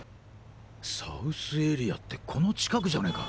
サウスエリアってこの近くじゃねぇか。